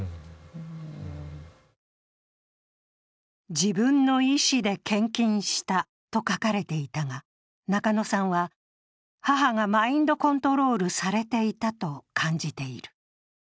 自分の意思で献金したと書かれていたが、中野さんは、母がマインドコントロールされていたと感じている。